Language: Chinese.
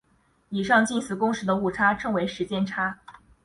以上近似公式的误差称为时间差。